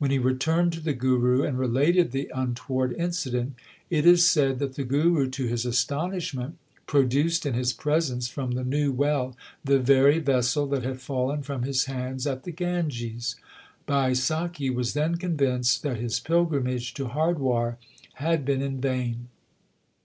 When he returned to the Guru, and related the untoward incident, it is said that the Guru to his astonishment produced in his presence from the new well the very vessel that had fallen from his hands at the Ganges. Baisakhi was then convinced that his pilgrimage to Hardwar had been in vain.